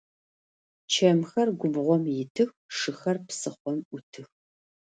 Чэмхэр губгъом итых, шыхэр псыхъом ӏутых.